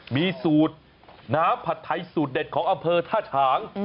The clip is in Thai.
มีสูตรน้ำผัดไทยสูตรเด็ดของอำเภอท่าฉาง